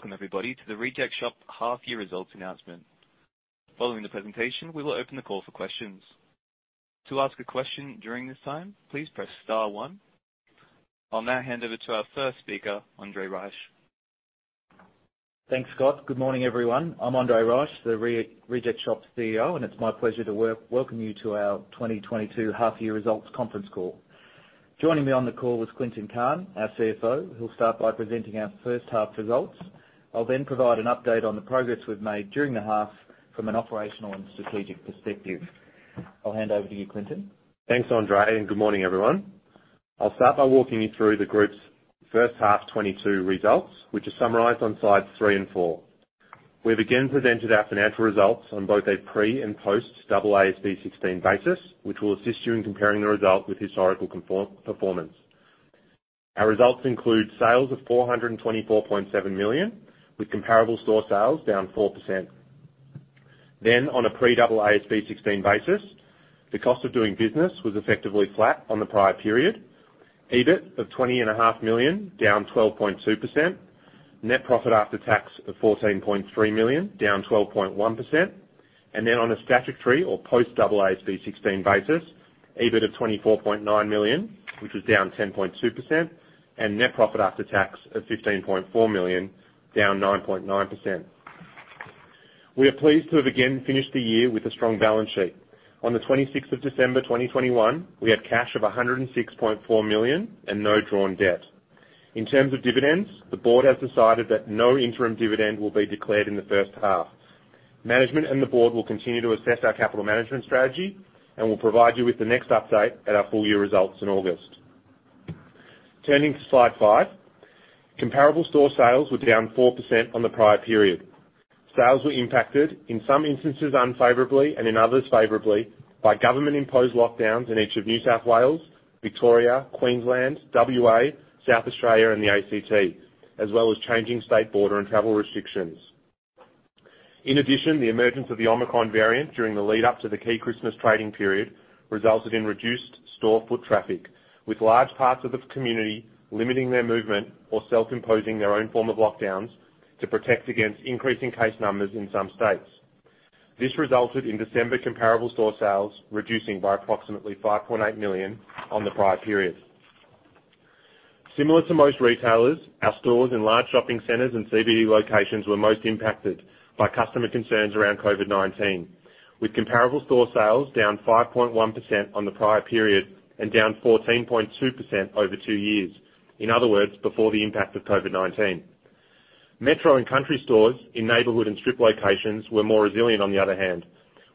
Welcome everybody to The Reject Shop half year results announcement. Following the presentation, we will open the call for questions. To ask a question during this time, please press star one. I'll now hand over to our first speaker, Andre Reich. Thanks, Scott. Good morning, everyone. I'm Andre Reich, the Reject Shop CEO, and it's my pleasure to welcome you to our 2022 half year results conference call. Joining me on the call is Clinton Cahn, our CFO, who'll start by presenting our first half results. I'll then provide an update on the progress we've made during the half from an operational and strategic perspective. I'll hand over to you, Clinton. Thanks, Andre, and good morning, everyone. I'll start by walking you through the group's first half 2022 results, which are summarized on slides three and four. We've again presented our financial results on both a pre and post AASB 16 basis, which will assist you in comparing the result with historical performance. Our results include sales of 424.7 million, with comparable store sales down 4%. On a pre AASB 16 basis, the cost of doing business was effectively flat on the prior period, EBIT of 20.5 million, down 12.2%. Net profit after tax of 14.3 million, down 12.1%. On a statutory or post AASB 16 basis, EBIT of 24.9 million, which was down 10.2%, and net profit after tax of 15.4 million, down 9.9%. We are pleased to have again finished the year with a strong balance sheet. On the 26th of December 2021, we had cash of 106.4 million and no drawn debt. In terms of dividends, the board has decided that no interim dividend will be declared in the first half. Management and the board will continue to assess our capital management strategy, and we'll provide you with the next update at our full year results in August. Turning to slide five. Comparable store sales were down 4% on the prior period. Sales were impacted in some instances unfavorably and in others favorably by government-imposed lockdowns in each of New South Wales, Victoria, Queensland, WA, South Australia and the ACT, as well as changing state border and travel restrictions. In addition, the emergence of the Omicron variant during the lead up to the key Christmas trading period resulted in reduced store foot traffic, with large parts of the community limiting their movement or self-imposing their own form of lockdowns to protect against increasing case numbers in some states. This resulted in December comparable store sales reducing by approximately 5.8 million on the prior period. Similar to most retailers, our stores in large shopping centers and CBD locations were most impacted by customer concerns around COVID-19, with comparable store sales down 5.1% on the prior period and down 14.2% over two years. In other words, before the impact of COVID-19, metro and country stores in neighborhood and strip locations were more resilient on the other hand,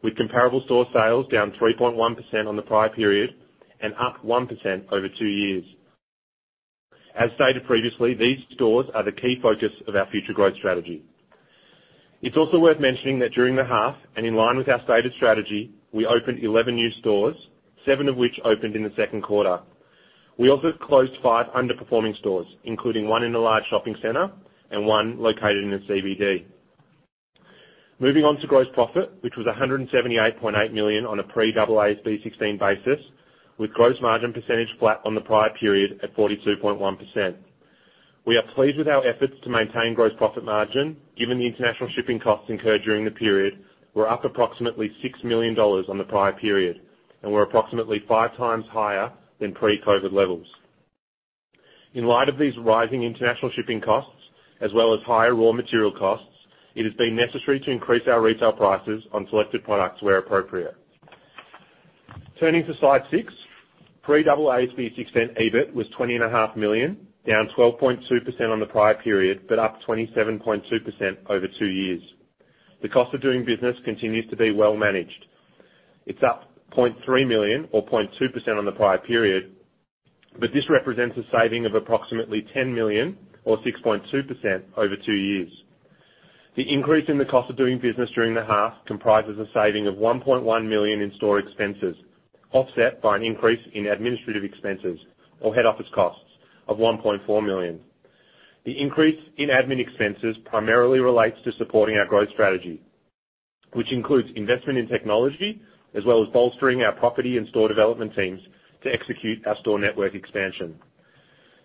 with comparable store sales down 3.1% on the prior period and up 1% over two years. As stated previously, these stores are the key focus of our future growth strategy. It's also worth mentioning that during the half and in line with our stated strategy, we opened 11 new stores, seven of which opened in the second quarter. We also closed five underperforming stores, including one in a large shopping center and one located in a CBD. Moving on to gross profit, which was 178.8 million on a pre AASB 16 basis, with gross margin percentage flat on the prior period at 42.1%. We are pleased with our efforts to maintain gross profit margin given the international shipping costs incurred during the period were up approximately 6 million dollars on the prior period, and were approximately five times higher than pre-COVID levels. In light of these rising international shipping costs, as well as higher raw material costs, it has been necessary to increase our retail prices on selected products where appropriate. Turning to slide six. Pre AASB 16 EBIT was 20.5 million, down 12.2% on the prior period, but up 27.2% over two years. The cost of doing business continues to be well managed. It's up 0.3 million or 0.2% on the prior period, but this represents a saving of approximately 10 million or 6.2% over two years. The increase in the cost of doing business during the half comprises a saving of 1.1 million in store expenses, offset by an increase in administrative expenses or head office costs of 1.4 million. The increase in admin expenses primarily relates to supporting our growth strategy, which includes investment in technology as well as bolstering our property and store development teams to execute our store network expansion.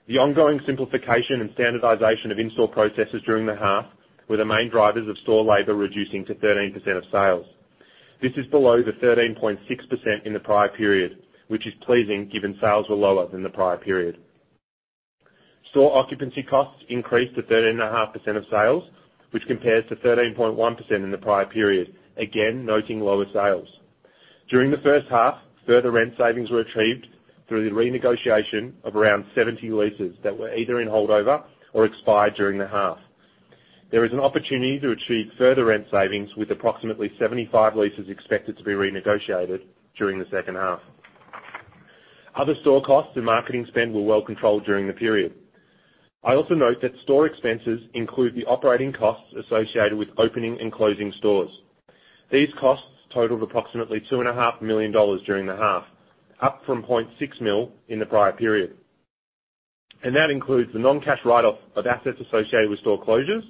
The ongoing simplification and standardization of in-store processes during the half were the main drivers of store labor reducing to 13% of sales. This is below the 13.6% in the prior period, which is pleasing given sales were lower than the prior period. Store occupancy costs increased to 13.5% of sales, which compares to 13.1% in the prior period, again, noting lower sales. During the first half, further rent savings were achieved through the renegotiation of around 70 leases that were either in holdover or expired during the half. There is an opportunity to achieve further rent savings, with approximately 75 leases expected to be renegotiated during the second half. Other store costs and marketing spend were well controlled during the period. I also note that store expenses include the operating costs associated with opening and closing stores. These costs totaled approximately 2.5 million dollars during the half, up from 0.6 million in the prior period. That includes the non-cash write-off of assets associated with store closures,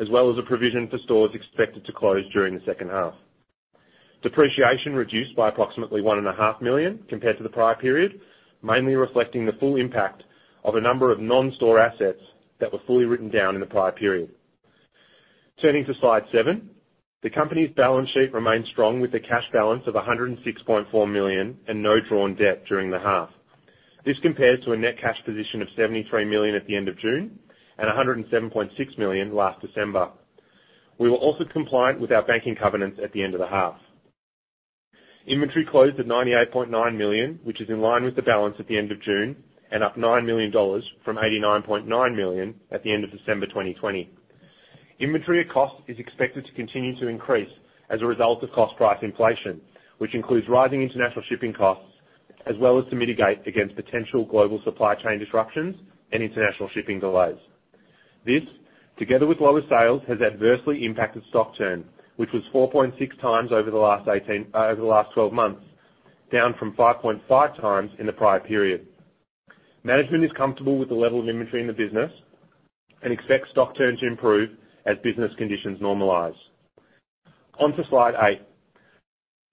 as well as a provision for stores expected to close during the second half. Depreciation reduced by approximately 1.5 million compared to the prior period, mainly reflecting the full impact of a number of non-store assets that were fully written down in the prior period. Turning to slide seven. The company's balance sheet remains strong with a cash balance of 106.4 million and no drawn debt during the half. This compares to a net cash position of 73 million at the end of June and 107.6 million last December. We were also compliant with our banking covenants at the end of the half. Inventory closed at 98.9 million, which is in line with the balance at the end of June and up AUD 9 million from 89.9 million at the end of December 2020. Inventory cost is expected to continue to increase as a result of cost price inflation, which includes rising international shipping costs as well as to mitigate against potential global supply chain disruptions and international shipping delays. This, together with lower sales, has adversely impacted stock turn, which was 4.6 times over the last 12 months, down from 5.5 times in the prior period. Management is comfortable with the level of inventory in the business and expects stock turn to improve as business conditions normalize. On to slide eight.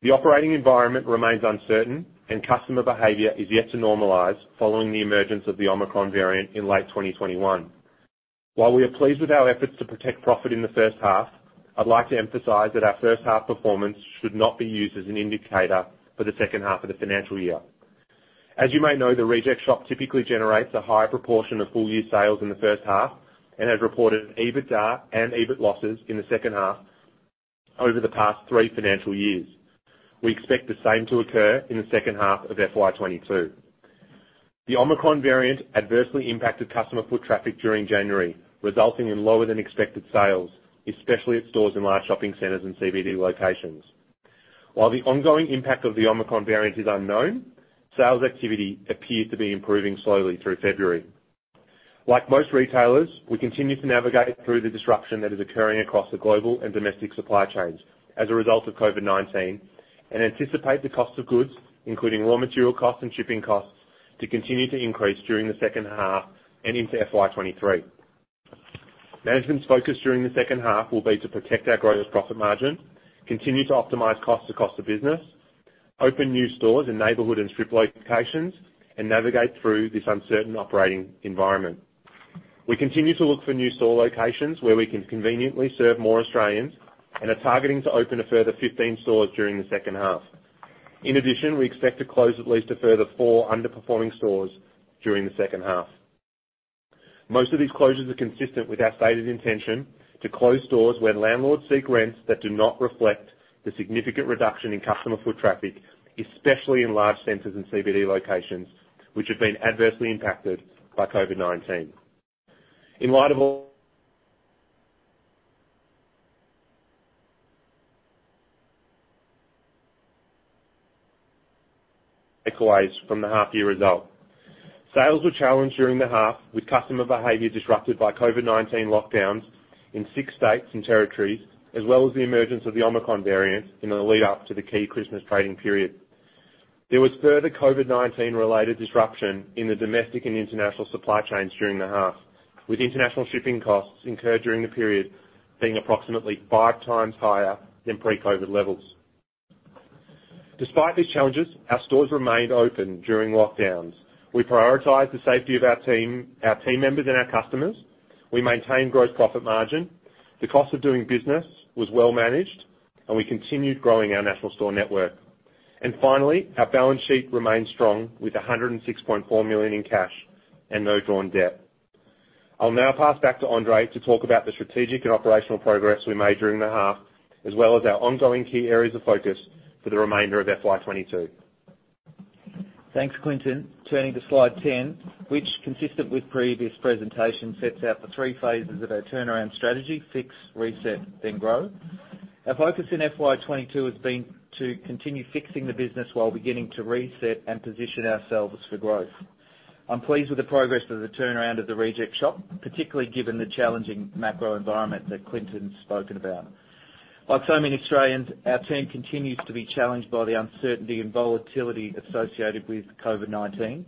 The operating environment remains uncertain and customer behavior is yet to normalize following the emergence of the Omicron variant in late 2021. While we are pleased with our efforts to protect profit in the first half, I'd like to emphasize that our first half performance should not be used as an indicator for the second half of the financial year. As you may know, The Reject Shop typically generates a higher proportion of full year sales in the first half and has reported EBITDA and EBIT losses in the second half over the past three financial years. We expect the same to occur in the second half of FY 2022. The Omicron variant adversely impacted customer foot traffic during January, resulting in lower than expected sales, especially at stores in large shopping centers and CBD locations. While the ongoing impact of the Omicron variant is unknown, sales activity appears to be improving slowly through February. Like most retailers, we continue to navigate through the disruption that is occurring across the global and domestic supply chains as a result of COVID-19, and anticipate the cost of goods, including raw material costs and shipping costs, to continue to increase during the second half and into FY 2023. Management's focus during the second half will be to protect our gross profit margin, continue to optimize costs across the business, open new stores in neighborhood and strip locations, and navigate through this uncertain operating environment. We continue to look for new store locations where we can conveniently serve more Australians and are targeting to open a further 15 stores during the second half. In addition, we expect to close at least a further four underperforming stores during the second half. Most of these closures are consistent with our stated intention to close stores where landlords seek rents that do not reflect the significant reduction in customer foot traffic, especially in large centers and CBD locations, which have been adversely impacted by COVID-19. In light of all takeaways from the half year result, sales were challenged during the half with customer behavior disrupted by COVID-19 lockdowns in six states and territories, as well as the emergence of the Omicron variant in the lead up to the key Christmas trading period. There was further COVID-19 related disruption in the domestic and international supply chains during the half, with international shipping costs incurred during the period being approximately five times higher than pre-COVID levels. Despite these challenges, our stores remained open during lockdowns. We prioritized the safety of our team, our team members, and our customers. We maintained gross profit margin. The cost of doing business was well managed, and we continued growing our national store network. Finally, our balance sheet remains strong with 106.4 million in cash and no drawn debt. I'll now pass back to Andre to talk about the strategic and operational progress we made during the half, as well as our ongoing key areas of focus for the remainder of FY 2022. Thanks, Clinton. Turning to slide 10, which is consistent with previous presentations, sets out the three phases of our turnaround strategy, fix, reset, then grow. Our focus in FY 2022 has been to continue fixing the business while beginning to reset and position ourselves for growth. I'm pleased with the progress of the turnaround of The Reject Shop, particularly given the challenging macro environment that Clinton has spoken about. Like so many Australians, our team continues to be challenged by the uncertainty and volatility associated with COVID-19.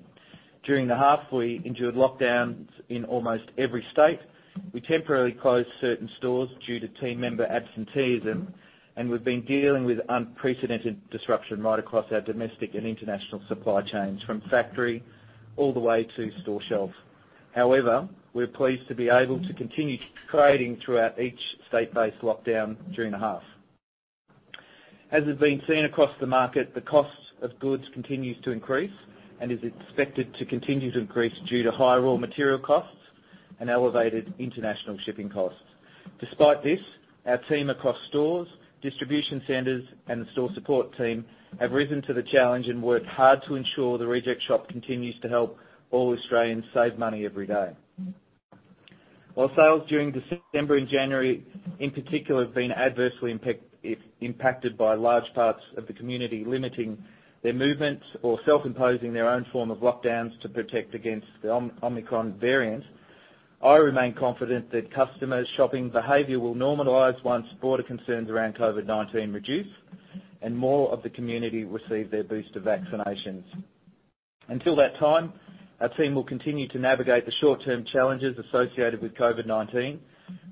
During the half, we endured lockdowns in almost every state. We temporarily closed certain stores due to team member absenteeism, and we've been dealing with unprecedented disruption right across our domestic and international supply chains, from factory all the way to store shelves. However, we're pleased to be able to continue trading throughout each state-based lockdown during the half. As has been seen across the market, the cost of goods continues to increase and is expected to continue to increase due to higher raw material costs and elevated international shipping costs. Despite this, our team across stores, distribution centers, and the store support team have risen to the challenge and worked hard to ensure The Reject Shop continues to help all Australians save money every day. While sales during December and January in particular have been adversely impacted by large parts of the community limiting their movement or self-imposing their own form of lockdowns to protect against the Omicron variant, I remain confident that customers' shopping behavior will normalize once broader concerns around COVID-19 reduce and more of the community receive their booster vaccinations. Until that time, our team will continue to navigate the short-term challenges associated with COVID-19,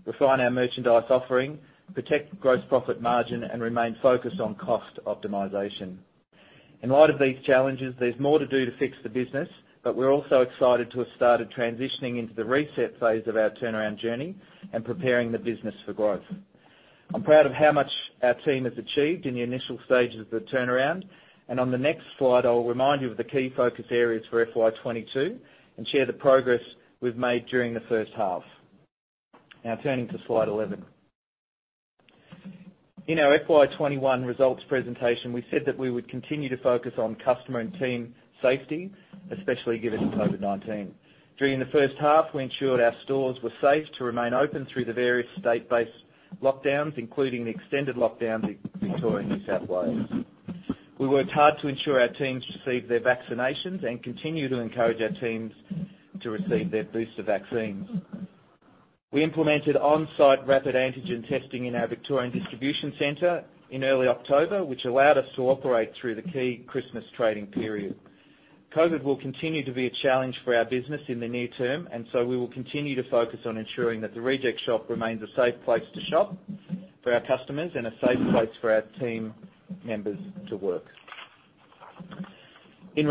refine our merchandise offering, protect gross profit margin, and remain focused on cost optimization. In light of these challenges, there's more to do to fix the business, but we're also excited to have started transitioning into the reset phase of our turnaround journey, and preparing the business for growth. I'm proud of how much our team has achieved in the initial stages of the turnaround, and on the next slide, I will remind you of the key focus areas for FY 2022, and share the progress we've made during the first half. Now turning to slide 11. In our FY 2021 results presentation, we said that we would continue to focus on customer and team safety, especially given COVID-19. During the first half, we ensured our stores were safe to remain open through the various state-based lockdowns, including the extended lockdown in Victoria and New South Wales. We worked hard to ensure our teams received their vaccinations, and continue to encourage our teams to receive their booster vaccines. We implemented on-site rapid antigen testing in our Victorian distribution center in early October, which allowed us to operate through the key Christmas trading period. COVID will continue to be a challenge for our business in the near term, and so we will continue to focus on ensuring that The Reject Shop remains a safe place to shop for our customers and a safe place for our team members to work. We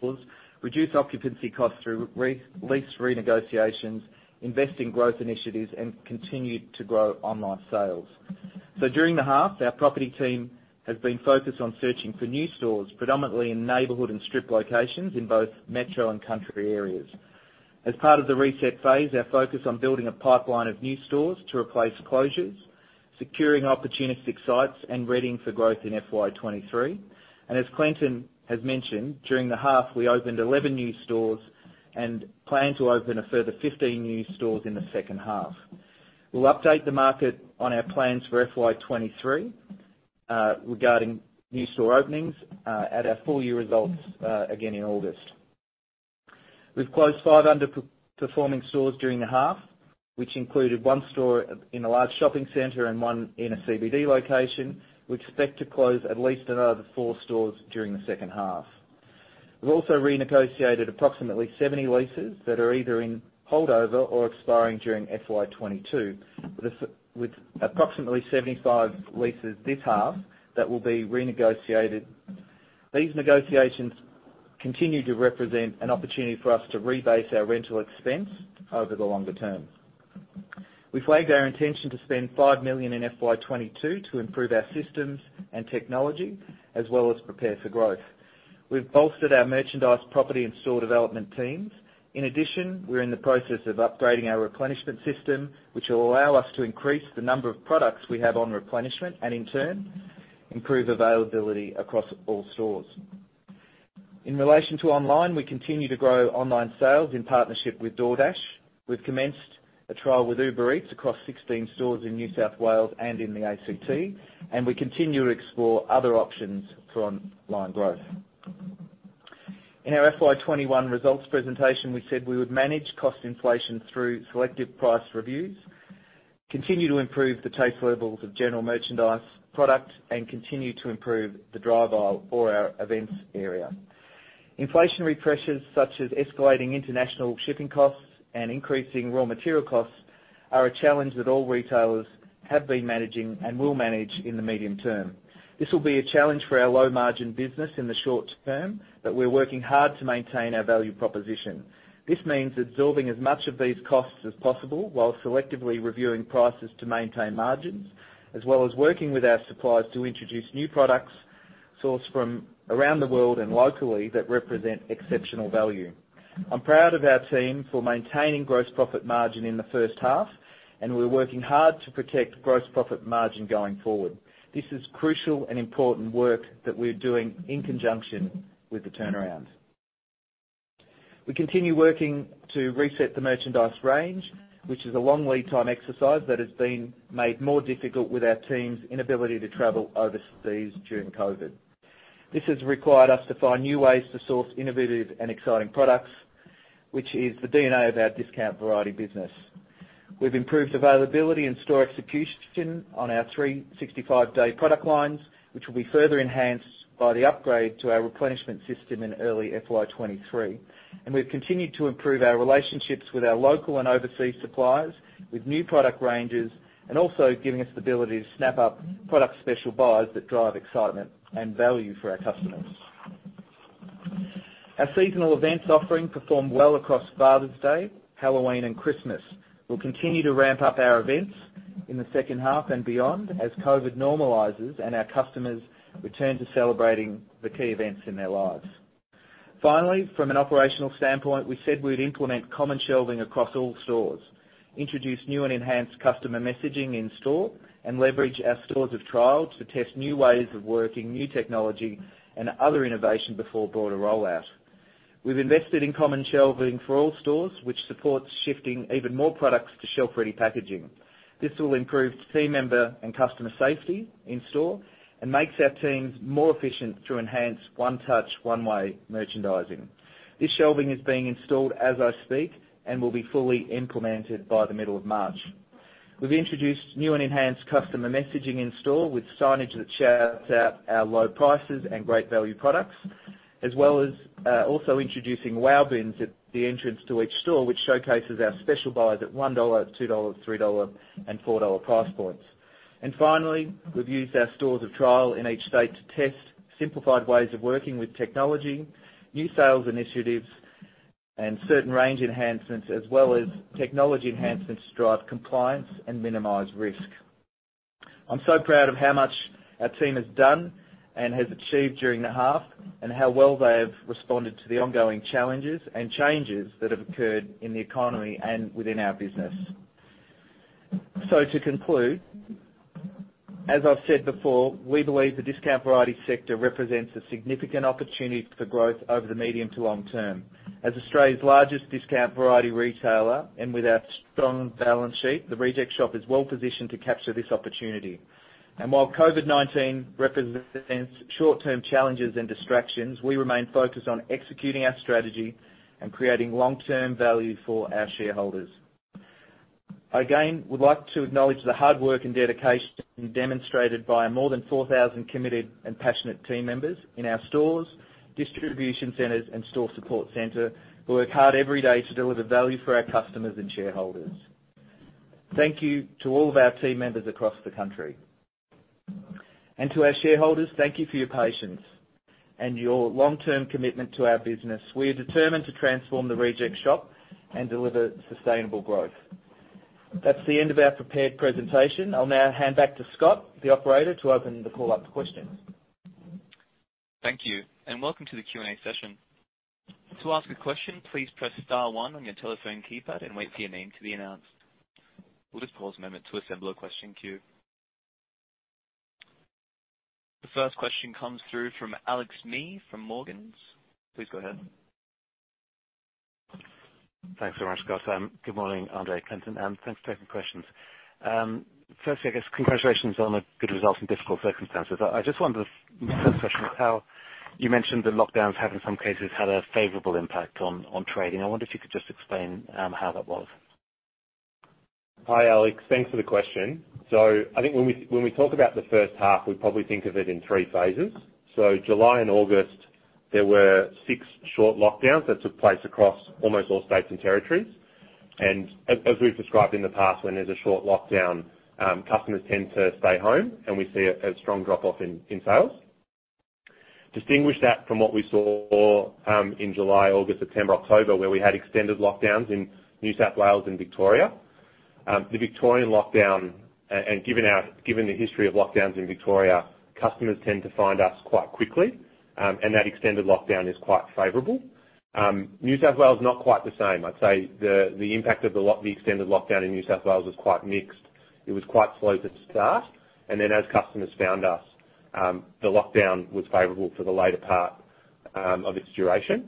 will reduce occupancy costs through re-lease renegotiations, invest in growth initiatives, and continue to grow online sales. During the half, our property team has been focused on searching for new stores, predominantly in neighborhood and strip locations in both metro and country areas. As part of the reset phase, our focus is on building a pipeline of new stores to replace closures, securing opportunistic sites, and readying for growth in FY 2023. As Clinton has mentioned, during the half, we opened 11 new stores and plan to open a further 15 new stores in the second half. We'll update the market on our plans for FY 2023 regarding new store openings at our full year results again in August. We've closed five underperforming stores during the half, which included one store in a large shopping center and one in a CBD location. We expect to close at least another four stores during the second half. We've also renegotiated approximately 70 leases that are either in holdover or expiring during FY 2022, with approximately 75 leases this half that will be renegotiated. These negotiations continue to represent an opportunity for us to rebase our rental expense over the longer term. We flagged our intention to spend 5 million in FY 2022 to improve our systems and technology, as well as prepare for growth. We've bolstered our merchandise property and store development teams. In addition, we're in the process of upgrading our replenishment system, which will allow us to increase the number of products we have on replenishment, and in turn, improve availability across all stores. In relation to online, we continue to grow online sales in partnership with DoorDash. We've commenced a trial with Uber Eats across 16 stores in New South Wales and in the ACT, and we continue to explore other options for online growth. In our FY 2021 results presentation, we said we would manage cost inflation through selective price reviews, continue to improve the waste levels of general merchandise product, and continue to improve the drive aisle for our events area. Inflationary pressures such as escalating international shipping costs and increasing raw material costs are a challenge that all retailers have been managing and will manage in the medium term. This will be a challenge for our low-margin business in the short term, but we're working hard to maintain our value proposition. This means absorbing as much of these costs as possible while selectively reviewing prices to maintain margins, as well as working with our suppliers to introduce new products sourced from around the world and locally that represent exceptional value. I'm proud of our team for maintaining gross profit margin in the first half, and we're working hard to protect gross profit margin going forward. This is crucial and important work that we're doing in conjunction with the turnaround. We continue working to reset the merchandise range, which is a long lead time exercise that has been made more difficult with our team's inability to travel overseas during COVID. This has required us to find new ways to source innovative and exciting products, which is the DNA of our discount variety business. We've improved availability and store execution on our 365-day product lines, which will be further enhanced by the upgrade to our replenishment system in early FY 2023. We've continued to improve our relationships with our local and overseas suppliers with new product ranges and also giving us the ability to snap up product special buys that drive excitement and value for our customers. Our seasonal events offering performed well across Father's Day, Halloween, and Christmas. We'll continue to ramp up our events in the second half and beyond as COVID normalizes and our customers return to celebrating the key events in their lives. Finally, from an operational standpoint, we said we'd implement common shelving across all stores, introduce new and enhanced customer messaging in store, and leverage our stores of trial to test new ways of working, new technology, and other innovation before broader rollout. We've invested in common shelving for all stores, which supports shifting even more products to shelf-ready packaging. This will improve team member and customer safety in store and makes our teams more efficient to enhance one-touch, one-way merchandising. This shelving is being installed as I speak and will be fully implemented by the middle of March. We've introduced new and enhanced customer messaging in store with signage that shouts out our low prices and great value products, as well as also introducing wow bins at the entrance to each store, which showcases our special buys at 1 dollar, 2 dollars, 3 dollar, and 4 dollar price points. Finally, we've used our trial stores in each state to test simplified ways of working with technology, new sales initiatives, and certain range enhancements, as well as technology enhancements to drive compliance and minimize risk. I'm so proud of how much our team has done and has achieved during the half, and how well they have responded to the ongoing challenges and changes that have occurred in the economy and within our business. To conclude, as I've said before, we believe the discount variety sector represents a significant opportunity for growth over the medium to long term. As Australia's largest discount variety retailer, and with our strong balance sheet, The Reject Shop is well-positioned to capture this opportunity. While COVID-19 represents short-term challenges and distractions, we remain focused on executing our strategy and creating long-term value for our shareholders. I again would like to acknowledge the hard work and dedication demonstrated by more than 4,000 committed and passionate team members in our stores, distribution centers, and store support center who work hard every day to deliver value for our customers and shareholders. Thank you to all of our team members across the country. And to our shareholders, thank you for your patience and your long-term commitment to our business. We are determined to transform The Reject Shop and deliver sustainable growth. That's the end of our prepared presentation. I'll now hand back to Scott, the operator, to open the call up to questions. Thank you, and welcome to the Q&A session. To ask a question, please press star one on your telephone keypad and wait for your name to be announced. We'll just pause a moment to assemble a question queue. The first question comes through from Alexander Mees from Morgans. Please go ahead. Thanks very much, Scott. Good morning, Andre, Clinton, and thanks for taking questions. Firstly, I guess congratulations on the good results in difficult circumstances. I just wondered, first question was how you mentioned the lockdowns have in some cases had a favorable impact on trading, I wonder if you could just explain how that was? Hi, Alex. Thanks for the question. I think when we talk about the first half, we probably think of it in three phases. July and August, there were six short lockdowns that took place across almost all states and territories. As we've described in the past, when there's a short lockdown, customers tend to stay home, and we see a strong drop-off in sales. Distinguish that from what we saw in July, August, September, October, where we had extended lockdowns in New South Wales and Victoria. The Victorian lockdown, and given the history of lockdowns in Victoria, customers tend to find us quite quickly, and that extended lockdown is quite favorable. New South Wales, not quite the same. I'd say the impact of the extended lockdown in New South Wales was quite mixed. It was quite slow to start. As customers found us, the lockdown was favorable for the later part of its duration.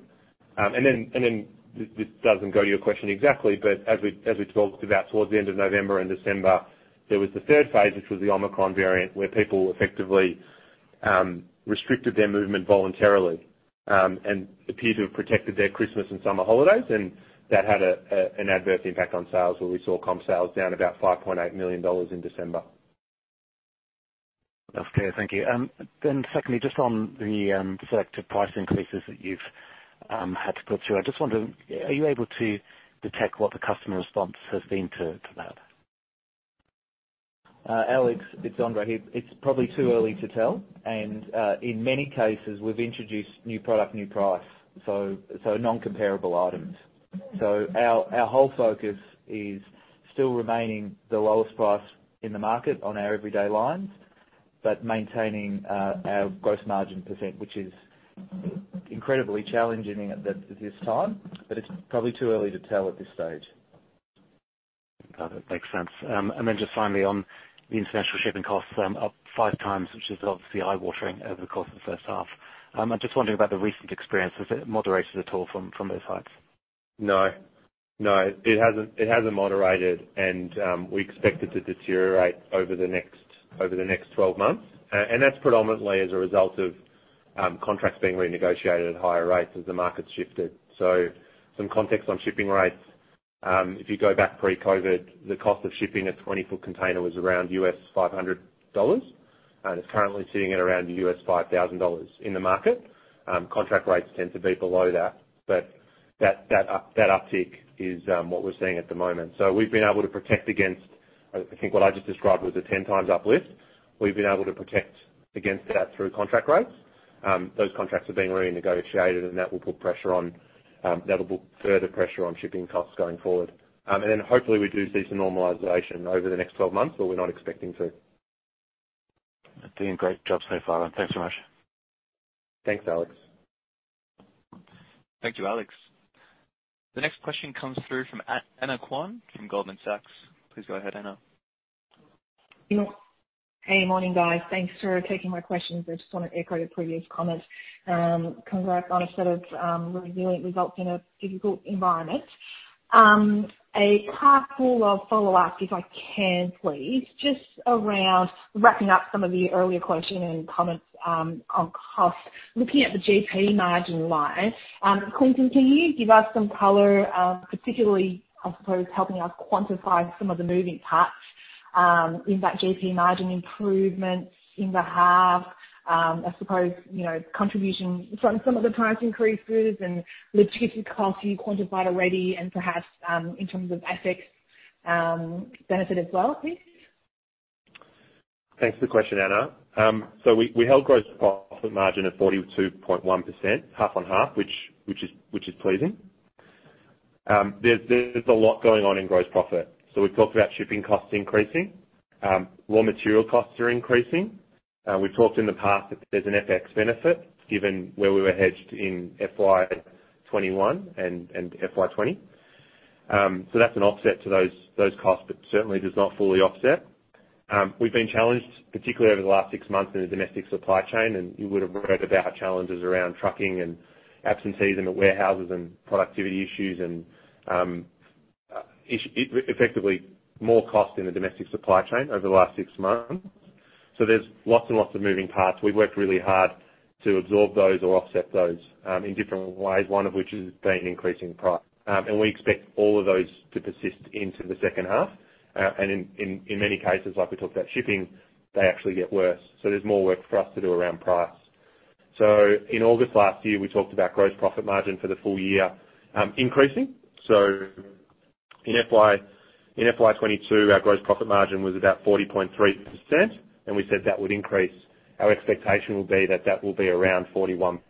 This doesn't go to your question exactly, but as we talked about towards the end of November and December, there was the third phase, which was the Omicron variant, where people effectively restricted their movement voluntarily and appeared to have protected their Christmas and summer holidays, and that had an adverse impact on sales where we saw comp sales down about 5.8 million dollars in December. That's clear. Thank you. Secondly, just on the selective price increases that you've had to put through. I just wonder, are you able to detect what the customer response has been to that? Alex, it's Andre here. It's probably too early to tell. In many cases, we've introduced new product, new price, so non-comparable items. So our whole focus is still remaining the lowest price in the market on our everyday lines, but maintaining our gross margin percent, which is incredibly challenging at this time, but it's probably too early to tell at this stage. Got it. Makes sense. Just finally on the international shipping costs, up five times, which is obviously eye-watering over the course of the first half. I'm just wondering about the recent experience. Has it moderated at all from those heights? No. It hasn't moderated, and we expect it to deteriorate over the next 12 months. That's predominantly as a result of contracts being renegotiated at higher rates as the market's shifted. Some context on shipping rates. If you go back pre-COVID, the cost of shipping a 20-foot container was around $500, and it's currently sitting at around $5,000 in the market. Contract rates tend to be below that, but that uptick is what we're seeing at the moment. We've been able to protect against it. I think what I just described was a 10 times uplift. We've been able to protect against that through contract rates. Those contracts are being renegotiated, and that will put pressure on. That'll put further pressure on shipping costs going forward. Hopefully we do see some normalization over the next 12 months, but we're not expecting to. Doing a great job so far. Thanks so much. Thanks, Alex. Thank you, Alex. The next question comes through from Anna Kwan from Goldman Sachs. Please go ahead, Anna. Hey, morning, guys. Thanks for taking my questions. I just wanna echo the previous comments. Congrats on a set of resilient results in a difficult environment. A couple of follow-ups if I can, please. Just around wrapping up some of the earlier questions and comments on cost. Looking at the GP margin line, Clinton, can you give us some color, particularly, I suppose, helping us quantify some of the moving parts in that GP margin improvement in the half, I suppose, you know, contribution from some of the price increases and logistic costs you quantified already and perhaps in terms of FX benefit as well? Thanks for the question, Anna. We held gross profit margin at 42.1% half on half, which is pleasing. There's a lot going on in gross profit. We've talked about shipping costs increasing. Raw material costs are increasing. We've talked in the past that there's an FX benefit given where we were hedged in FY 2021 and FY 2020. That's an offset to those costs, but certainly does not fully offset. We've been challenged, particularly over the last six months in the domestic supply chain, and you would have read about our challenges around trucking and absentees in the warehouses and productivity issues and effectively, more cost in the domestic supply chain over the last six months. There's lots and lots of moving parts. We've worked really hard to absorb those or offset those in different ways, one of which has been increasing price. We expect all of those to persist into the second half. In many cases, like we talked about shipping, they actually get worse. There's more work for us to do around price. In August last year, we talked about gross profit margin for the full year increasing. In FY 2022, our gross profit margin was about 40.3%, and we said that would increase. Our expectation will be that that will be around 41%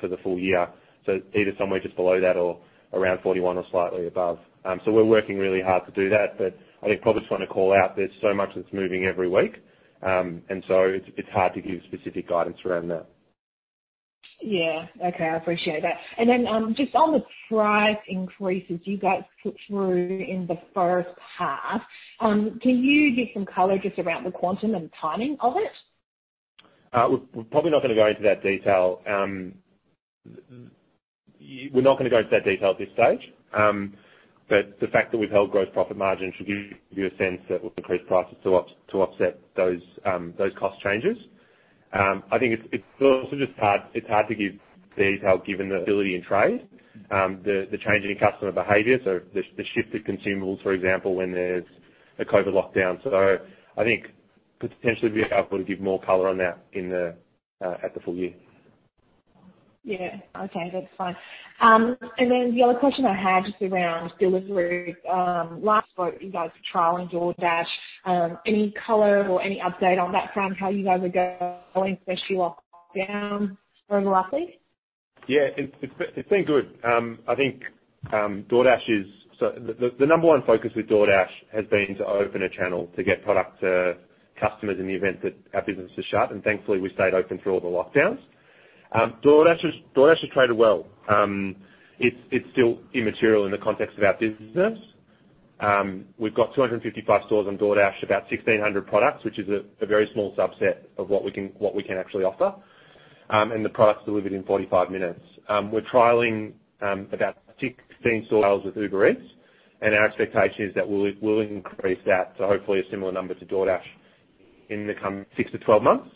for the full year. Either somewhere just below that or around 41% or slightly above. We're working really hard to do that. I think probably just wanna call out, there's so much that's moving every week. It's hard to give specific guidance around that. Yeah. Okay. I appreciate that. Just on the price increases you guys put through in the first half, can you give some color just around the quantum and timing of it? We're probably not gonna go into that detail. We're not gonna go into that detail at this stage. The fact that we've held gross profit margin should give you a sense that we've increased prices to offset those cost changes. I think it's also just hard to give detail given the variability in trade, the change in customer behavior, so the shift to consumables, for example, when there's a COVID lockdown. So, I think we could potentially be able to give more color on that at the full year. Yeah. Okay. That's fine. The other question I had just around delivery. Last quarter, you guys were trialing DoorDash. Any color or any update on that front, how you guys are going especially off down from roughly? Yeah. It's been good. I think. The number one focus with DoorDash has been to open a channel to get product to customers in the event that our business is shut, and thankfully, we stayed open through all the lockdowns. DoorDash has traded well. It's still immaterial in the context of our business. We've got 255 stores on DoorDash, about 1,600 products, which is a very small subset of what we can actually offer, and the products delivered in 45 minutes. We're trialing about 16 stores with Uber Eats, and our expectation is that we'll increase that to hopefully a similar number to DoorDash in the coming six to 12 months.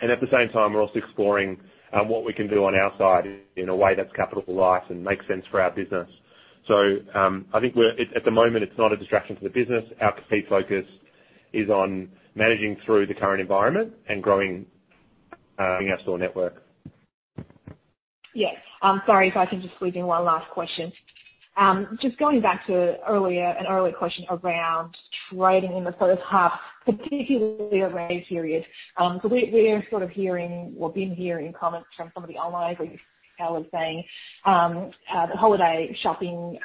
At the same time, we're also exploring what we can do on our side in a way that's capital light and makes sense for our business. I think at the moment, it's not a distraction for the business. Our key focus is on managing through the current environment and growing our store network. Yes. I'm sorry if I can just squeeze in one last question. Just going back to an earlier question around trading in the first half, particularly around this period. We're sort of hearing or been hearing comments from some of the online retailers saying the holiday shopping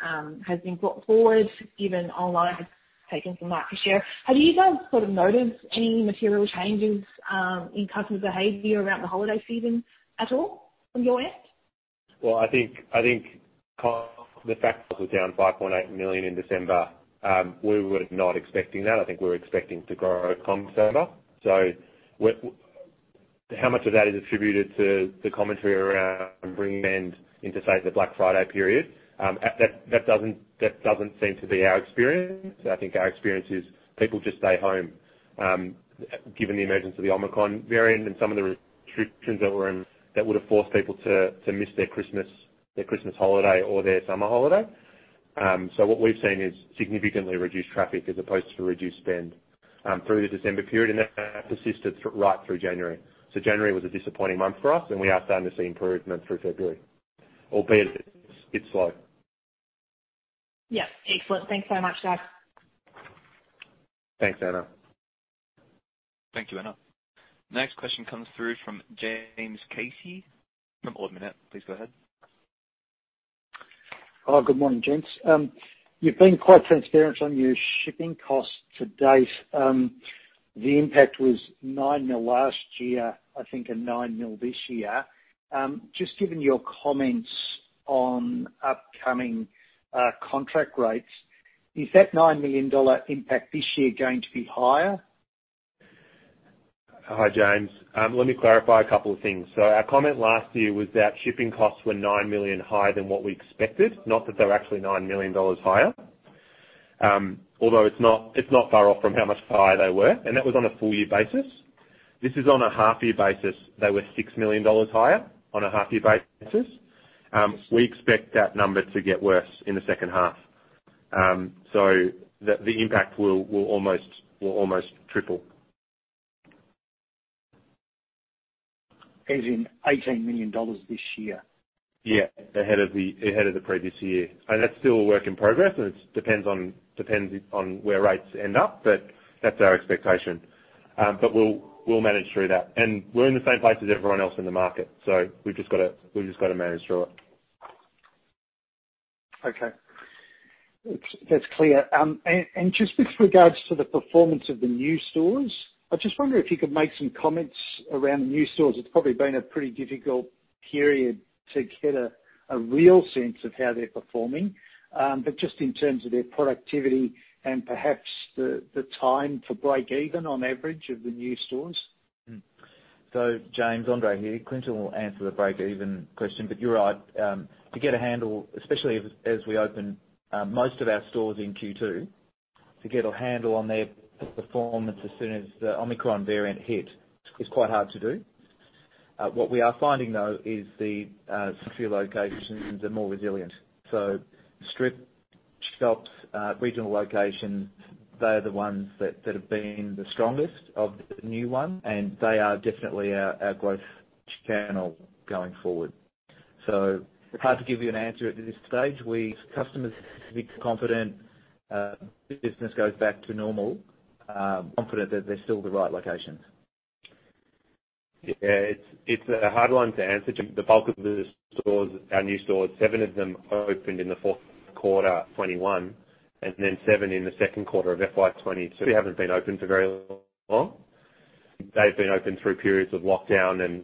has been brought forward given online has taken some market share. Have you guys sort of noticed any material changes in customer behavior around the holiday season at all from your end? Well, I think the fact that we're down 5.8 million in December. We were not expecting that. I think we were expecting to grow in, Anna. How much of that is attributed to the commentary around bringing demand into, say, the Black Friday period. That doesn't seem to be our experience. I think our experience is people just stay home, given the emergence of the Omicron variant and some of the restrictions that were in place that would have forced people to miss their Christmas holiday or their summer holiday. What we've seen is significantly reduced traffic as opposed to reduced spend through the December period, and that persisted right through January. January was a disappointing month for us, and we are starting to see improvement through February, albeit it's slow. Yeah. Excellent. Thanks so much, Dave. Thanks, Anna. Thank you, Anna. Next question comes through from James Casey from Ord Minnett. Please go ahead. Oh, good morning, gents. You've been quite transparent on your shipping costs to date. The impact was 9 million last year, I think, and 9 million this year. Just given your comments on upcoming contract rates, is that 9 million dollar impact this year going to be higher? Hi, James. Let me clarify a couple of things. Our comment last year was that shipping costs were 9 million higher than what we expected, not that they're actually 9 million dollars higher. Although it's not far off from how much higher they were, and that was on a full year basis. This is on a half-year basis. They were 6 million dollars higher on a half-year basis. We expect that number to get worse in the second half, so the impact will almost triple. As in 18 million dollars this year? Yeah. Ahead of the previous year. That's still a work in progress, and it depends on where rates end up, but that's our expectation. We'll manage through that. We're in the same place as everyone else in the market, so we've just gotta manage through it. Okay. That's clear. Just with regards to the performance of the new stores, I just wonder if you could make some comments around the new stores. It's probably been a pretty difficult period to get a real sense of how they're performing. Just in terms of their productivity and perhaps the time to break even on average of the new stores. James, Andre here. Clinton will answer the break-even question, but you're right. To get a handle, especially as we open most of our stores in Q2, to get a handle on their performance as soon as the Omicron variant hit is quite hard to do. What we are finding, though, is the few locations are more resilient. So, strip shops, regional locations, they are the ones that have been the strongest of the new ones, and they are definitely our growth channel going forward. Hard to give you an answer at this stage. Customers pretty confident, business goes back to normal, confident that they're still the right locations. Yeah. It's a hard one to answer. The bulk of the stores, our new stores, seven of them opened in the fourth quarter 2021, and then seven in the second quarter of FY 2022. They haven't been open for very long. They've been open through periods of lockdown and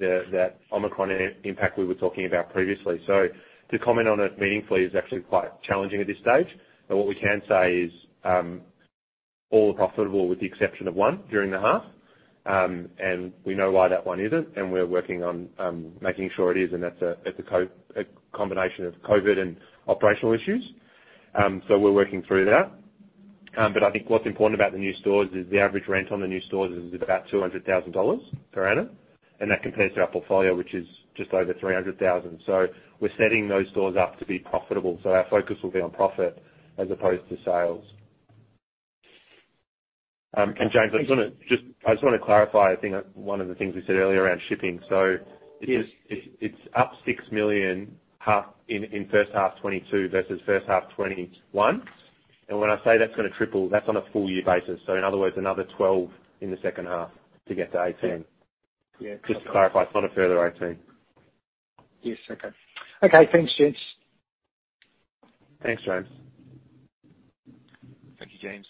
that Omicron impact we were talking about previously. To comment on it meaningfully is actually quite challenging at this stage. What we can say is, all profitable with the exception of one during the half, and we know why that one isn't, and we're working on making sure it is, and that's a combination of COVID and operational issues. We're working through that. I think what's important about the new stores is the average rent on the new stores is about 200,000 dollars per annum, and that compares to our portfolio, which is just over 300,000. We're setting those stores up to be profitable. Our focus will be on profit as opposed to sales. James, I just wanna clarify. I think one of the things we said earlier around shipping. It's up 6 million in first half 2022 versus first half 2021. When I say that's gonna triple, that's on a full year basis. In other words, another 12 in the second half to get to 18. Yeah. Just to clarify, it's not a further 18. Yes. Okay. Okay, thanks, gents. Thanks, James. Thank you, James.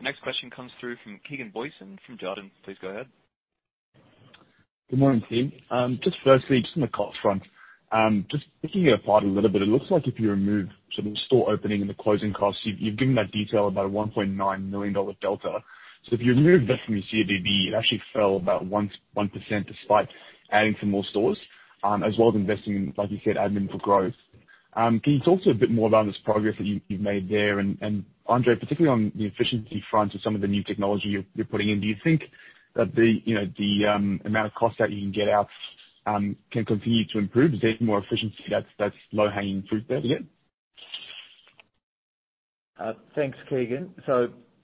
Next question comes through from Keegan Booysen from Jarden. Please go ahead. Good morning, team. Just firstly, just on the cost front, just picking it apart a little bit, it looks like if you remove some of the store opening and the closing costs, you've given that detail about a 1.9 million dollar delta. So if you remove that from your CODB, it actually fell about 1% despite adding some more stores, as well as investing in, like you said, admin for growth. Can you talk a bit more about this progress that you've made there? And Andre, particularly on the efficiency front with some of the new technology you're putting in, do you think that the, you know, the amount of cost that you can get out can continue to improve? Is there any more efficiency that's low-hanging fruit there again? Thanks, Keegan.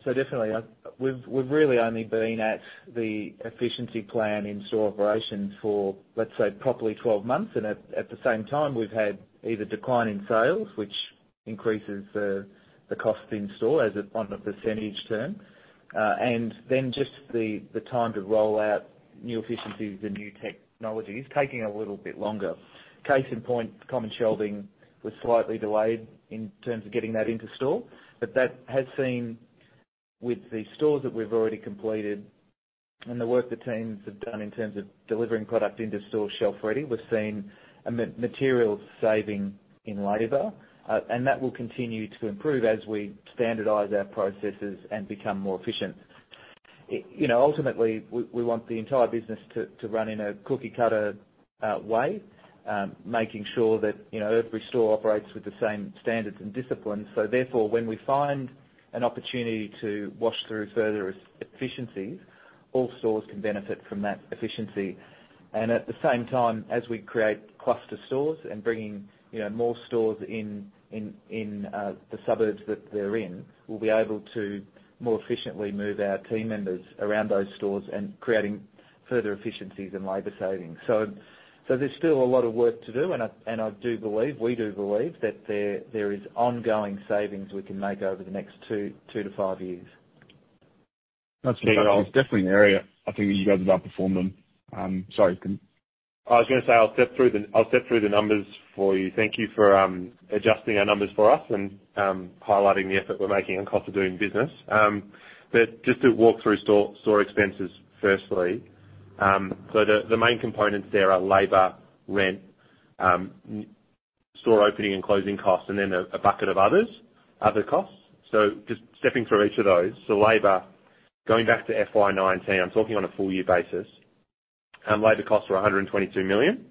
Definitely. We've really only been at the efficiency plan in store operations for, let's say, properly 12 months. At the same time, we've had the decline in sales, which increases the cost in store on a percentage term. Just the time to roll out new efficiencies and new technologies taking a little bit longer. Case in point, common shelving was slightly delayed in terms of getting that into store. We've seen with the stores that we've already completed and the work the teams have done in terms of delivering product into store shelf-ready, we're seeing a material saving in labor, and that will continue to improve as we standardize our processes and become more efficient. You know, ultimately, we want the entire business to run in a cookie-cutter way, making sure that, you know, every store operates with the same standards and disciplines. Therefore, when we find an opportunity to wash through further efficiencies, all stores can benefit from that efficiency. At the same time, as we create cluster stores and bringing, you know, more stores in the suburbs that they're in, we'll be able to more efficiently move our team members around those stores and creating further efficiencies and labor savings. There's still a lot of work to do, and I do believe we do believe that there is ongoing savings we can make over the next two to five years. That's definitely an area I think you guys have outperformed on. Sorry, Clinton. I was gonna say I'll step through the numbers for you. Thank you for adjusting our numbers for us and highlighting the effort we're making on cost of doing business. Just to walk through store expenses, firstly. The main components there are labor, rent, store opening and closing costs, and then a bucket of other costs. So, just stepping through each of those. Labor, going back to FY 2019, I'm talking on a full year basis. Labor costs were 122 million.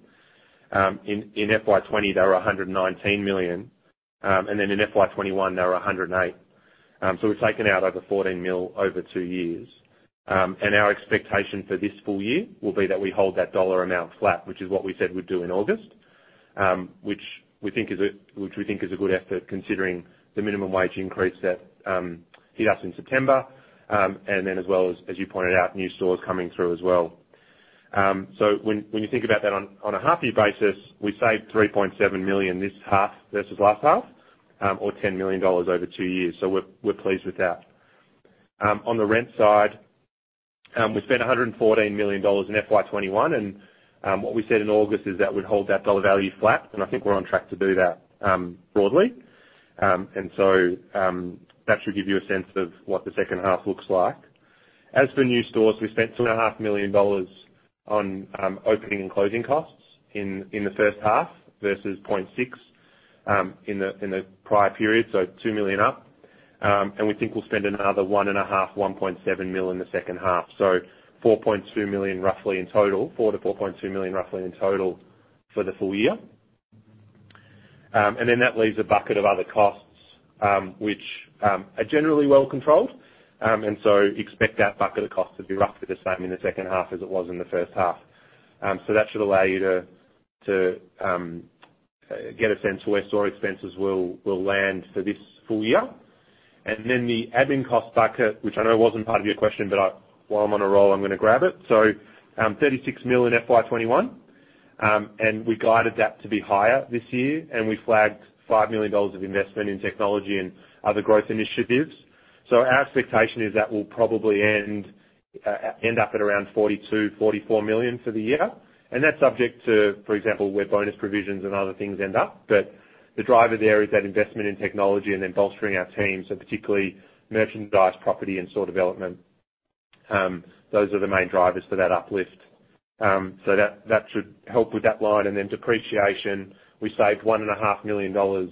In FY 2020 they were 119 million. In FY 2021, they were 108 million. We've taken out over 14 million over two years. Our expectation for this full year will be that we hold that dollar amount flat, which is what we said we'd do in August, which we think is a good effort considering the minimum wage increase that hit us in September. As well as you pointed out, new stores coming through as well. When you think about that on a half year basis, we saved 3.7 million this half versus last half, or 10 million dollars over two years. We're pleased with that. On the rent side, we spent 114 million dollars in FY 2021 and what we said in August is that we'd hold that dollar value flat, and I think we're on track to do that, broadly. That should give you a sense of what the second half looks like. As for new stores, we spent 2.5 million dollars on opening and closing costs in the first half versus 0.6 in the prior period, so 2 million up. We think we'll spend another 1.5 million, 1.7 million in the second half. So 4.2 million roughly in total for the full year. That leaves a bucket of other costs, which are generally well controlled. Expect that bucket of costs to be roughly the same in the second half as it was in the first half. That should allow you to get a sense for where store expenses will land for this full year. The admin cost bucket, which I know wasn't part of your question, but while I'm on a roll, I'm gonna grab it. 36 million in FY 2021, and we guided that to be higher this year, and we flagged 5 million dollars of investment in technology and other growth initiatives. Our expectation is that we'll probably end up at around 42 million-44 million for the year. That's subject to, for example, where bonus provisions and other things end up. The driver there is that investment in technology and then bolstering our team, so particularly merchandise, property and store development. Those are the main drivers for that uplift. That should help with that line. Depreciation, we saved 1.5 million dollars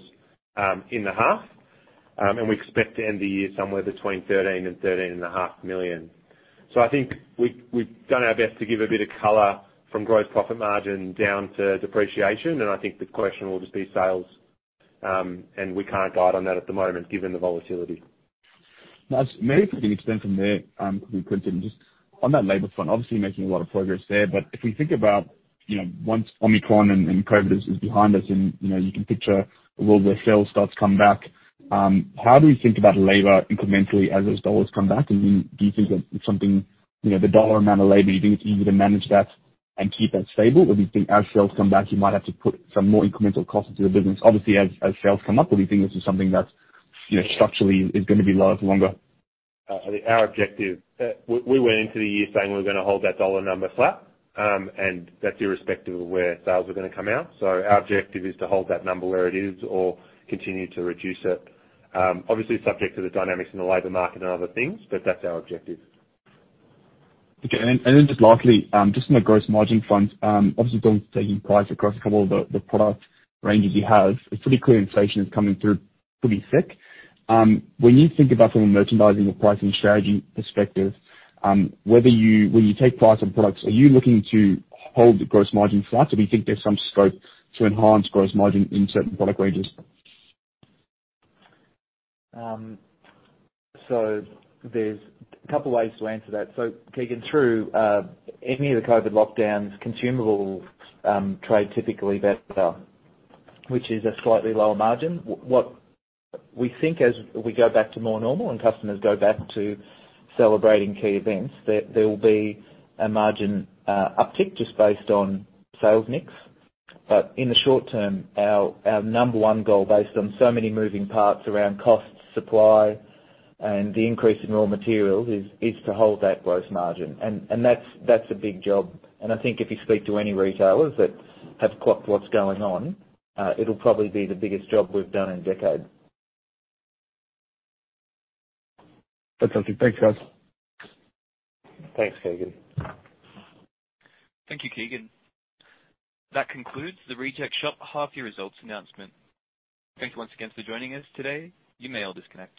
in the half. We expect to end the year somewhere between 13 million and AUD 13.5 million. I think we've done our best to give a bit of color from gross profit margin down to depreciation, and I think the question will just be sales, and we can't guide on that at the moment given the volatility. Maybe if we can extend from there, quickly. Just on that labor front, obviously making a lot of progress there. If we think about, you know, once Omicron and COVID-19 is behind us and, you know, you can picture a world where sales starts come back, how do we think about labor incrementally as those dollars come back? Do you think that something, you know, the dollar amount of labor, do you think it's easy to manage that and keep that stable? Do you think as sales come back, you might have to put some more incremental costs into the business, obviously as sales come up? Do you think this is something that's, you know, structurally is gonna be lower for longer? I think our objective, we went into the year saying we're gonna hold that dollar number flat. That's irrespective of where sales are gonna come out. Our objective is to hold that number where it is or continue to reduce it. Obviously subject to the dynamics in the labor market and other things, but that's our objective. Okay. Then just lastly, just on the gross margin front, obviously those taking price across a couple of the product ranges you have. It's pretty clear inflation is coming through pretty thick. When you think about from a merchandising or pricing strategy perspective, whether, when you take price on products, are you looking to hold the gross margin flat? Or do you think there's some scope to enhance gross margin in certain product ranges? There's a couple ways to answer that. Keegan, through any of the COVID lockdowns, consumables trade typically better, which is a slightly lower margin. What we think as we go back to more normal and customers go back to celebrating key events, there will be a margin uptick just based on sales mix. In the short term, our number one goal based on so many moving parts around cost, supply and the increase in raw materials is to hold that gross margin. And that's a big job. I think if you speak to any retailers that have clocked what's going on, it'll probably be the biggest job we've done in decades. That's all. Thanks, guys. Thanks, Keegan. Thank you, Keegan. That concludes The Reject Shop half year results announcement. Thank you once again for joining us today. You may all disconnect.